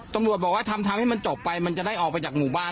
ตำรวจบอกว่าทำให้มันจบไปมันจะได้ออกไปจากหมู่บ้าน